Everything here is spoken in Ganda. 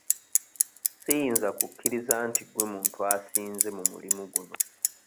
Siyinza kukkiriza nti gwe muntu asinze mu mulimu guno.